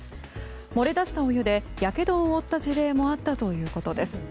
漏れ出したお湯でやけどを負った事例もあったということです。